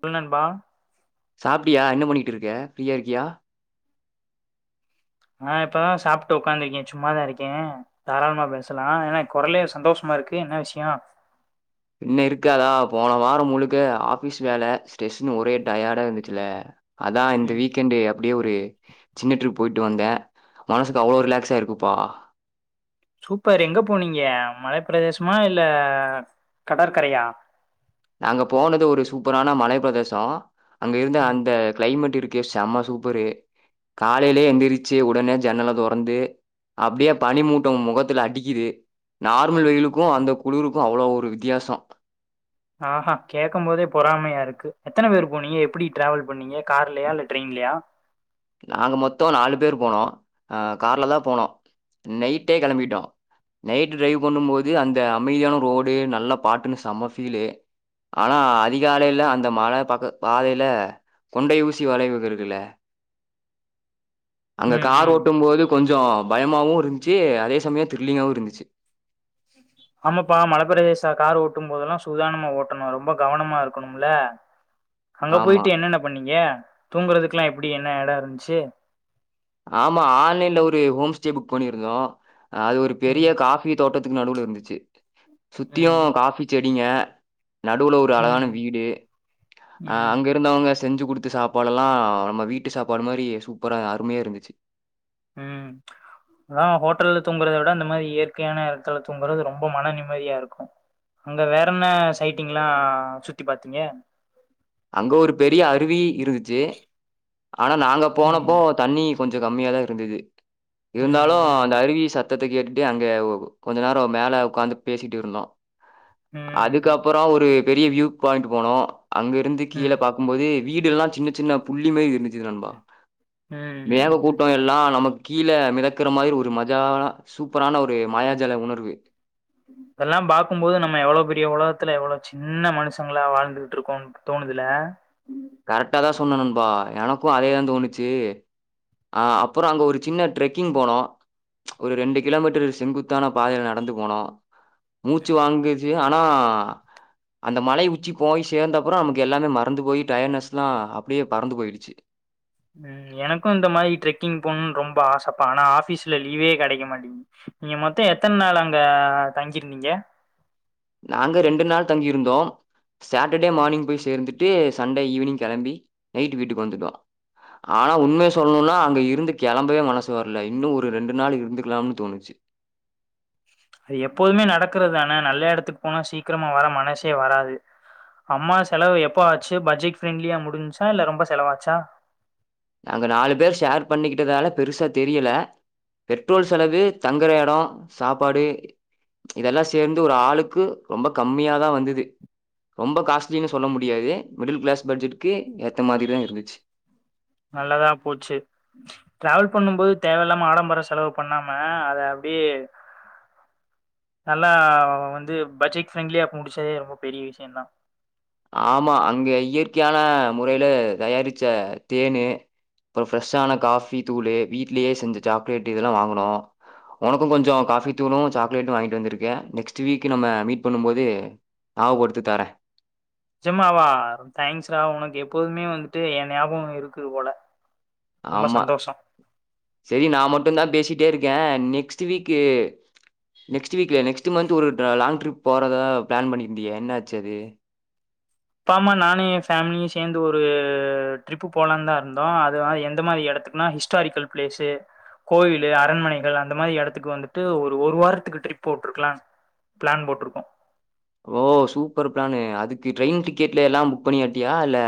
சொல் நண்பா சாப்ட்டியா என்ன பண்ணிட்டு இருக்க ஃப்ரீயா இருக்கியா நா இப்பதா சாப்ட்டு உக்காந்துருக்கே சும்மாதா இருக்கே தாராளமா பேசலா என்னா குரலே சந்தோஷமா இருக்கு என்ன விஷய பின்ன இருக்காதா போன வார முழுக்க ஆஃபிஸ் வேல ஸ்ரெஸ்ன்னு ஒரே ம் டயர்டா இருந்து ச்சுல்ல அதா இந்த ம். வீக்எண்டு அப்டியே ஒரு சின்ன ட்ரிப் போய்ட்டு வந்த மனசுக்கு அவ்ளோ ரிலாக்ஸா இருக்குப்பா சூப்பர் எங்க போனீங்க மலப்பிரதேசமா இல்ல கடற்கரையா நாங்க போனது ஒரு சூப்பரான மலை பிரதேச அங்க இருந்த ம் அந்த கிளைமேட் இருக்கே செம்ம சூப்பரு காலைலயே எந்திரிச்சு உடனே ஜன்னல தொறந்து அப்டியே பனி மூட்ட ம் முகத்துல அடிக்குது நார்மல் வெயிலுக்கு அந்த குளுருக்கு அவ்ளோ ஒரு வித்யாச ஆஹா கேட்கம் போதே பொறாமையா இருக்கு எத்தன பேர் போனீங்க எப்டி டிராவல் பண்ணீங்க கார்லயா இல்ல டிரெயின்லயா நாங்க மொத்த நாலு பேர் போனோ அ கார்ல தா போனோ நைட்டே கெளம்பிட்டோ நைட் டிரைவ் பண்ணு போது அந்த அமைதியான ரோடு நல்ல பாட்டுன்னு செம்ம ஃபீலு ஆனா அதிகாலைல அந்த மல பக் பாதைல கொண்டை ஊசி வளைவுக இருக்குல அங்க ம் கார் ம் ஓட்டு போது கொஞ்ஜோ பயமாவு இருந்துச்சு அதே சமயோ திரில்லிங்காவு இருந்துச்சு ஆமாப்பா மலப்பிரதேச கார் ஓட்டு போதெல்லா சுதானமா ஓட்டணு ரொம்ப கவனமா இருக்கணும்ல அங்க ஆமா. போய்ட்டு என்னென்ன பண்ணீங்க தூங்குறதுக்லா எப்டி என்னா எட இருந்ச்சு ஆமா ஆன்லைன்ல ஒரு ஹோம் ஸ்டே புக் பண்ணிருந்தோ அது ஒரு பெரிய ம் கா ஃபி தோட்டத்துக்கு நடுவுல இருந்துச்சு சுத்தியு ம் காஃபி செடிங்க நடுவுல ஒரு அழகான ம் வீடு ம் அங்க இருந்தவங்க செஞ்சு குடுத்து சாப் பாடுல்லா நம்ம வீட்டு சாப்பாடு மாரி சூப்பரா அருமையா இருந்துச்சு ம் அதா ஹோட்டல்ல தூங்குறத விட இந்த மாரி இயற்கையான இடத்துல தூங்குறது ரொம்ப மன நிம்மதியா இருக்கு அங்க வேற என்ன சைட்டிங்லா சுத்தி பாத்தீங்க அங்க ஒரு பெரிய அருவி இருந்துச்சு ஆனா நாங்க ம் போனப்போ தண்ணி கொஞ்சோ கம்மியாதா இருந்துது ம் இருந்தாலு ம் அந்த அருவி சத் தத்த கேட்டுட்டு அங்க கொஞ்சோ நேர மேல உக்காந்து பேசிட்டு இருந்தோ ம் அதுக்கப்பற ஒரு பெரிய வியூ பாயிண்ட் போனோ அங்க இருந்து கீழ ம் பாக் கும் போது வீடுல்லா சின்ன சின்ன புள்ளி மாரி இருந்துச்சு நண்பா ம் மேக ம் கூட்டோ எல்லா நமக்கு கீழ மெதக்குற மாரி ஒரு மஜாவா சூப்பரான ஒரு மாயாஜல உணர்வு இதெல்லா பாக்குபோது நம்ம எவ்ளோ பெரிய உலகத்துல எவ்ளோ சின்ன மனுசங்களா வாழ்ந்துகிட்டு இருக்கோ தோணுதுல கரெக்டாதா சொன்ன நண்பா எனக்கு அதேதா தோணுச்சு அ அப்பற அங்க ஒரு சின்ன ட்ரெக்கிங் போனோ ஒரு ரெண்டு கிலோமீட்டர் செங்குத்தான பாதைல நடந்து போனோ மூச்சு வாங்குச்சு ஆ னா அந்த மலை உச்சி போய் சேந்த அப்ற நமக்கு எல்லாமே மறந்து போயி டயர்ட்னஸ்லா அப்டியே பறந்து போய்டுச்சு ம் எனக்கு இந்த மாதிரி ட்ரெக்கிங் போணுன் ரொம்ப ஆசப்பா ஆனா ஆஃபீஸ்ல லீவே கெடைக்க மாட்டேன்கிது நீங்க மொத்தோ எத்தன நாள் அங்க தங்கிருந்தீங்க நாங்க ரெண்டு நாள் தங்கிருந்தோ சாட்டர்டே மார்னிங் போய் சேர்ந்துட்டு சண்டே ஈவினிங் கிளம்பி நைட் வீட்டுக்கு வந்துட்டோ ஆனா உண்மைய சொல்ணுனா அங்க இருந்து கெளம்பவே மனசு வரல இன்னு ஒரு ரெண்டு நாள் இருந்துக்கலாம்னு தோணுச்சு அது எப்போதுமே நடக்குறது தான நல்ல இடத்துக்கு போனா சீக்கிரமா வர மனசே வராது அம்மா செலவு எப்ப ஆச்சு பட்ஜெட் ஃப்ரெண்ட்லியா முடிஞ்ச்சா இல்ல ரொம்ப செலவாச்சா நாங்க நாலு பேர் ஷேர் பண்ணிக்கிட்டதால பெருசா தெரியல பெட்ரோல் செலவு தங்கற எடோ சாப்பாடு இதெல்லா சேந்து ஒரு ஆளுக்கு ரொம்ப கம்மியாதா வந்துது ரொம்ப காஸ்ட்லின்னு சொல்ல முடியாது மிடில் கிளாஸ் பட்ஜெட்க்கு ஏத்த மாரிதா இருந்துச்சு நல்லதா போச்சு டிராவல் பண்ணும்போது தேவையில்லாம ஆடம்பர செலவு பண்ணாம அத அப்டியே நல்லா வந்து பட்ஜெட் ஃப்ரெண்ட்லியா முடிச்சதே ரொம்ப பெரிய விஷ்யந்தா ஆமா அங்க இயற்கையான முறைல தயாரிச்ச தேனு அப்றோ ஃப்ரெஷ்ஷான காஃபி தூளு வீ்ட்லயே செஞ்ச சாக்லேட் இதெல்லா வாங்குனோ உனக்கு கொஞ்சோ காஃபி தூளு சாக்லேட்டு வாங்கிட்டு வந்திருக்க நெக்ஸ்ட் வீக் நம்ம மீட் பண்ணும்போது நா ஒடுத்துத்தார நெஜமாவா தேங்க்ஸ்ரா உனக்கு எப்போதுமே வந்துட்டு என் ஞாபகோ இருக்குது போல ரொம்ப ஆமா சந்தோஷோ சரி நா மட்டுந்தா பேசிட்டே இருக்கேன் நெக்ஸ்ட் வீக்கு நெக்ஸ்ட் வீக்ல்ல நெக்ஸ்ட் மந்த் ஒரு ட்றா லாங் ட்ரிப் போறதா ப்ளான் பண்ணிர்ந்தியே என்னாச்சு அது அப்பாம்மா நானு என் ஃபேமிலியு சேந்து ஒரு ட்ரிப்பு போலான்தா இருந்தோ அது நா எந்த மாதிரி எடத்துக்குனா ஹி ஸ்டாரிக்கல் பிளேஸு கோயிலு அரண்மனைகள் அந்த மாரி எடத்துக்கு வந்துட்டு ஒரு ஒரு வாரத்துக்கு ட்ரிப் போட்ருக்கலான் ப்ளான் போட்ருக்கோ ஓ சூப்பர் ப்ளானு அதுக்கு ட்ரெயின் டிக்கெட்யில்லா புக் பண்ணிட்டியா இல்ல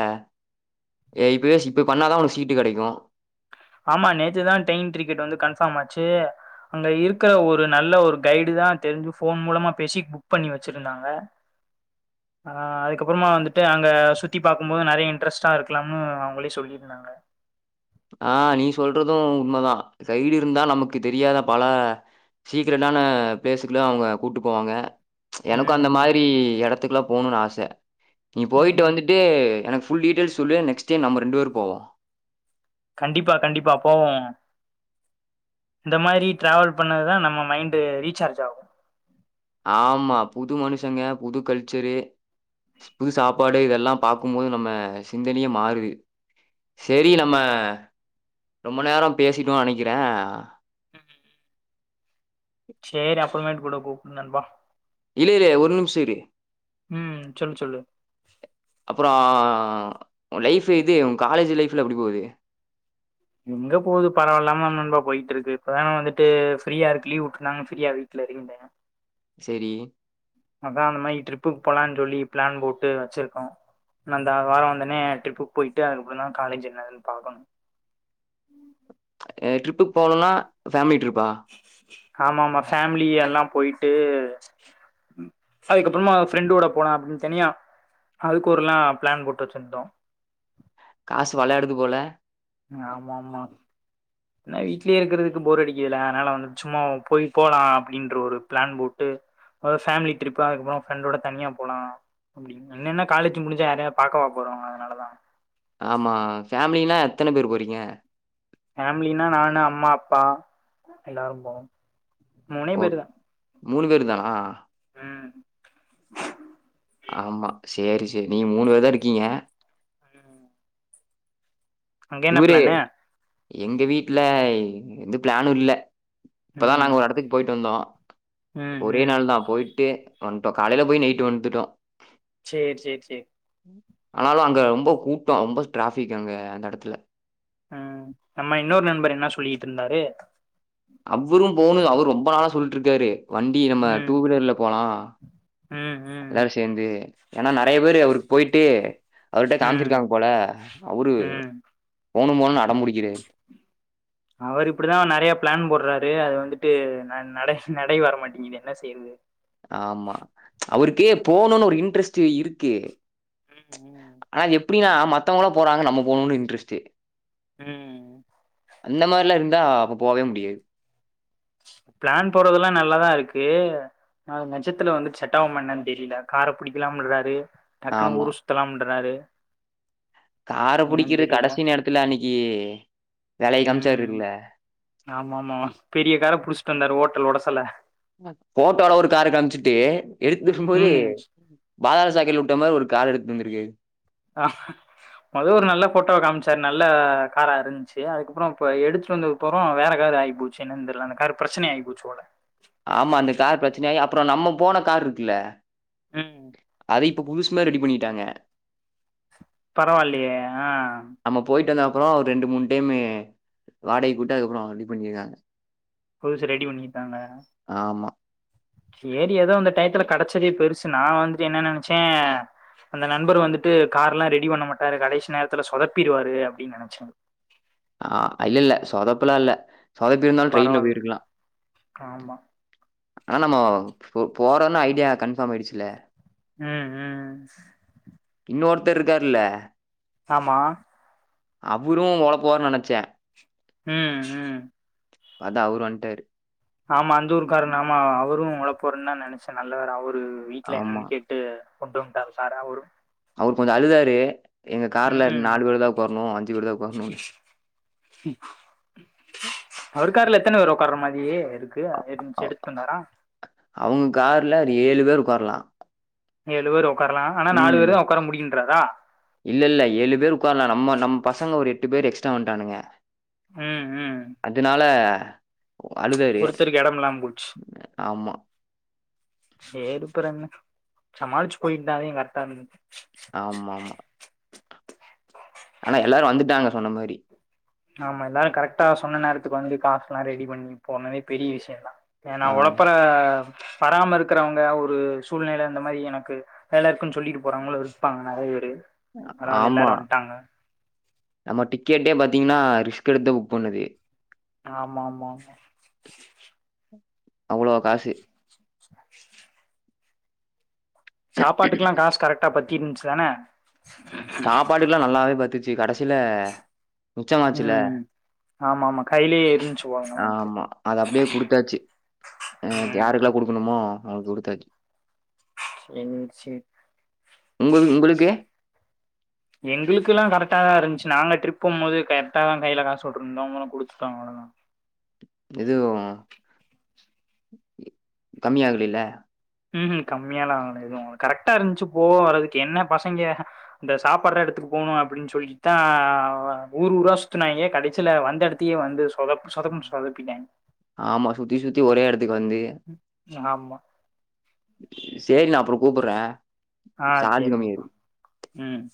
ஏ இப்பவே சி இப்ப பண்ணாதா உனக்கு சீட்டு கெடைக்கு ஆமா நேத்துதா ட்ரெயின் டிக்கெட் வந்து கன்ஃபார்ம் ஆச்சு அங்க இருக்கற ஒரு நல்ல ஒரு கைடுதான் தெரிஞ்சு ஃபோன் மூலமா பேசி புக் பண்ணி வெச்சிருந்தாங்க ஆ அதுக்கப்பறமா வந்துட்டு அங்க சுத்தி பாக்கும்போது நெறைய இன்ட்ரெஸ்ட்டா இருக்கலாம்னு அவுங்களே சொல்லியிருந்தாங்க ஆ நீ சொல்றது உண்மதா கைடு இருந்தா நமக்கு தெரியாத பல சீக்கரட்டான பிளேஸுக்கெல்லா அவுங்க கூப்ட்டு போவாங்க எனக்கு ம், அந்த மாரி எடத்துக்லா போணுனு ஆச நீ ம், போயிட்டு ம். வந்துட்டு ஃபுல் டீடெய்ல்ஸ் சொல்லு நெக்ஸ்ட் டைம் நம்ம ரெண்டு பேர் போவோ கண்டிப்பா கண்டிப்பா போவோ இந்த மாரி டிராவல் பண்ணதுதா நம்ம மைண்டு ரீசார்ஜ் ஆகு ஆமா புது மனுசங்க புது கல்ச்சரு புது சாப்பாடு இதெல்லா பாக்கும்போது நம்ம சிந்தனையே மாறுது செரி நம்ம ரொம்ப நேரொ பேசிட்டோ நெனக்கிற சேரி அப்பறமேட்டு் கூட கூப்டு நண்பா இல்ல இல்லயே ஒரு நிமிஷோ இரு ம் சொல்லு சொல்லு அப்றோ உன் லைஃப் இது உன் காலேஜ் லைஃப் எல்லா எப்டி போது எங்க போது பரவாயில்லாம நண்பா போயிட்டு இருக்கு இப்பதான வந்துட்டு ஃப்ரீயா இருக்கு லீ்வ் வுட்டுருந்தாங்கனு ஃபிரீயா வீட்ல இருந்தே செரி அதான் அந்த மாரி ட்ரிப்புக்கு போலான்னு சொல்லி ப்ளான் போட்டு வெச்சிருந்தோ நந்தா வாரோ வந்தொன்னயே ட்ரிப்புக்கு போயிட்டு அதுக்குப்பறந்தான் காலேஜ் என்னனு பாக்கணு ட்ரிப்புக்கு போகணுனா ஃபேம்லி ட்ரிப்பா ஆமாமா ஃபேமிலி எல்லா போய்ட்டு அதுக்கப்பறமா ஃப்ரெண்டோட போலா அப்டின் தனியா அதுக்கு ஒரு லா ப்ளான் போட்டு வெச்சுருந்தோ காசு வெளயாடுது போல ஆமா ஆமா என்ன வீட்லயே இருக்கறதுக்கு போர் அடிக்குதில்ல அதனால வந்து சும்மா போயி போலாம் அப்படின்ற ஒரு பிளான் போட்டு ஃபேமிலி ட்ரிப்பு அதுக்கப்புரொ ஃரெண்டோட தனியா போலா என்னன்ன காலேஜு முடிஞ்சா யாரையா பாக்கவா போறோ அதனா ஆமா ஃபேமிலினா எத்தன பேரு போறீங்க ஃபேமிலினா நானு அம்மா அப்பா எல்லாரு போவோ மூணே பேருதா மூணு பேரு தானா ம் ஆமா சேரி சேரி நீங்க மூணு பேரு தா இருக்கீங்க [inaudible] அங்க என்ன இவுரு பிளானு எங்க வீட்ல எந்து பிளானு இல்ல இப்பதா ம் நாங்க ஒரெடத்துக்கு போயிட்டு வந்தோ ம் ஒரே ம் நாள்தா போயிட்டு வந்ட்டோ காலைல போய் நைட்டு வந்துட்டோ சேரி சேரி சேரி ஆனாலு அங்க ரொம்ப கூட்டோ ரொம்ப டிராஃபிக் அங்க அந்த எடத்துல ம் நம்ம இன்னொரு நண்பர் என்ன சொல்லிட்டு இருந்தாரு அவரும் போகணு அவரு ரொம்ப நாளா சொல்லிட்டு இருக்காரு வண்டி நம்ம ம் டூவீலர்ல போலா ம் ம் எல்லாரு சேந்து ஏன்னா நெறைய பேரு அவருக்கு போயிட்டு அவர்ட்ட ம் காமிச்சிருக்காங்க போல அவுரு ம் போனு போனு அடம்புடிக்கிறாரு அவரு இப்டிதா நறைய ப்ளான் போட்றாரு அது வந்துட்டு ந நட நடை வரமாட்டிங்கிது என்ன செய்றது ஆமா அவருக்கே போணும்னு ஒரு இன்ட்ரெஸ்ட் இருக்கு ம் ஆனா எப்டின்னா மத்தவங்ள போறாங்கணு நம்ம போணுனு இன்ட்ரஸ்ட்டு ம் அந்த மாதிரிலா இருந்தா அப்ப போகவே முடியாது பிளான் போறதெல்லா நல்லாதா இருக்கு நா நெஜத்துல வந்து செட்டாவ்மாடன்னு தெரில கார புடிக்கலாம்றாரு டக்குனு ஆமா ஊரு சுத்தலாம்ன்டராரு கார புடிக்கிற கடசி நேரத்துல அன்னைக்கி வேலய ம் காமிச்சாருல ஆமா ஆமா பெரிய கார புடிச்சிட்டு வந்தாரு ஓட்டல் உடசல போட்டோல ஒரு கார காமிச்சிட்டு எடுத்துக்கும் போது ம் பாதாள சாக்கடைல உட்ட மாரி ஒரு காரு எடுத்துடு வந்திருக்கு ஆ மொத ஒரு நல்ல போட்டோவ காம்ச்சாரு நல்ல காரா இறுஞ்ச்சு அதுக்கப்றோ இப்ப எடுத்ட்டு வந்து அப்புறம் வேற காரு ஆகிபோச்சு என்னனுதெரில அந்த காரு பிரச்சனையாகி போச்சு போல ஆமா அந்த கார் பிரச்சனயாகி அப்றோ நம்ம போன காரு இருக்குல்ல ம் அத இப்ப புதுசுமாரி ரெடி பண்ணிட்டாங்க பரவாயில்லயே ஆ நம்ம போயிட்டு வந்த அப்ரோ ஒரு ரெண்டு மூணு டைமு வாடகைகு விட்டு அதுக்கப்புறோ ரெடி பண்ணியிருக்காங்க புதுசு ரெடி பண்ணிக்கிட்டாங்க ஆமா சேரி ஏதோ இந்த டையத்துல கெடச்சதே பெருசு நா வந்து என்ன நெனச்சே அந்த நண்பர் வந்துட்டு காருல்லாம் ரெடி பண்ண மாட்டாரு கடைசி நேரத்துல சொதப்பிடுவாரு அப்டின்னு நெனைச்ச ஆ இல்லல்ல சொதப்பல இல்ல சொதப்பிருந்தாலு ட்ரெயின்ல பரவால்ல போயிருக்கலா ஆமா ஆனா நம்ம போ போறோன்னு ஐடியா கன்ஃபார்ம் ஆயிடுச்சுல ம் ம் இன்னொருத்தர் இருக்கார்ல ஆமா அவுரு ஒளப்புவாரு நெனச்ச ம் ம் பாத்த அவுரு வந்டாரு ஆமா அந்த ஊருக்கார ஆமா அவரும் ஓழப்புவருன்னு தா நெனச்சா நல்லவேல அவரு வீட்ல ஆமா. என்னன்னு கேட் டு கொண்டு வன்டாங்க சாரு அவரும் அவரு கொஞ்ச அழுதாரு எங்க ம் கார்ல ம் நாலு பேர்தா உக்காரனு அஞ்சு பேர்தா உக்காரனு அவருக்கார்ல எத்தன பேர் உட்கார்ற மாரி கு இருச்சு எடுத்தந்தார அவங் கார்ல ஒரு ஏழு பேர் உக்கார்ல ஏழு பேரு ஒக்காரலா ஆனா நாலு ம். பேரு தா உக்கார முடியின்றாரா இல்ல இல்ல ஏழு பேர் உக்கார்லா நம் நம்ம பசங்க ஒரு எட்டு பேர் எக்ஸ்ட்ரா வன்ட்டானுங்க ம் ம் அதுனால அழுதாறு ஒருத்தருக்கு எடம் இல்லாம போச்சு ஆமா செரி அப்ரெண்ணா சமாளிச்சு [unintelligible] கரெக்டா இருந்துக்கணு ஆமாமா ஆனா எல்லாரு வந்துட்டாங்க சொன்ன மாரி ஆமா எல்லாரு கரெக்ட்டா சொன்ன நேரத்துக்கு வந்து காசல்லா ரெடி பண்ணி போனதே பெரிய விஷயந்தா ஏ நா ஆ. ஒழப்பர வராமருக்றவங்க ஒரு சூழ்நல இந்த மாரி எனக்கு வேலாருக்குன் சொல்லிட்டு போறாங்களு இருப்பாங்க நெறைய பேரு பரவால்ல ஆமா. எல்லாரு வன்ட்டாங்க நம்ம டிக்கெட்டே பாத்தீங்கன்னா ரிஸ்க் எடுத்து புக் பண்ணுது ஆமாமாமா அவ்ளோ காசு டா பத்தியிருந்துச்சு தான சாப்பாட்டுக்கல்லா நல்லாவே பத்துச்சு கடைசியில மிச்சமாச்சுல ம் ஆமா ஆமா கையிலயே இருந்துச்சு போல நமக்கு ஆமா அதப்டியே குடுத்தாச்சு அ து ம் யாருக்கெல்லா குடுக்கணுமோ அவளுக்கு குடுத்தாச் என் சி உங்க உங்களுக்கு எங்குலுக்குல்லா கரெட்டாதாருந்ச்சு நாங்க ட்ரிப் போம்போது கரெக்ட தா கையில காசு விட்ருந்தோம்ங்களு குடுத்துட்டோ அவலதா எதுவு கம்மியாகலில்ல ம் ம் கம்மியல்லா ஆகல எதும் ஆது கரெக்டா இருந்துச்சு போக வர்றதுக்கு என்ன பசங்க இந்த சாப்பட்ற எடத்துக்கு போகணு அப்டின்னு சொல்லிகிட்டுதா ஆ ஊர் ஊரா சுத்தினாங்க கடைசில வந்த ஏ எடத் திய வந்து சொதப் சொதப்னு சொதப்பிட்டயிங்க ஆமா சுத்தி சுத்தி ஒரே எடதுக்கு வந்து ஆமா செரி நா அப்றோ கூப்ரா ஆ சார்ஜ் சரிங்கப்பா. கம்மியாருக்கு ம்